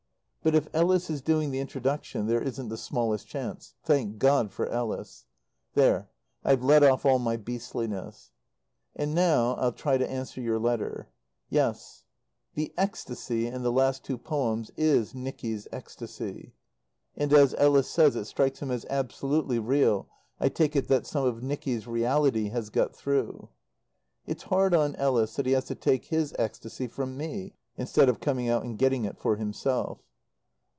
But if Ellis is doing the introduction there isn't the smallest chance. Thank God for Ellis. There I've let off all my beastliness. And now I'll try to answer your letter. Yes; the "ecstasy" in the last two poems is Nicky's ecstasy. And as Ellis says it strikes him as absolutely real, I take it that some of Nicky's "reality" has got through. It's hard on Ellis that he has to take his ecstasy from me, instead of coming out and getting it for himself.